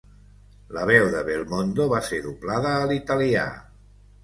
La veu de Belmondo va ser doblada a l'italià.